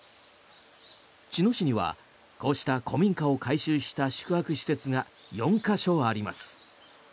茅野市にはこうした古民家を改修した宿泊施設が４か所あります。